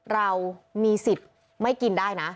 เรามีสิทธิ์ไม่กินได้นะ